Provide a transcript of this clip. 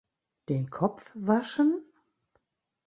Den Kopf waschen?